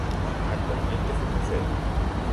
Actualmente es un museo.